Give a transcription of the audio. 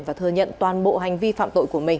và thừa nhận toàn bộ hành vi phạm tội của mình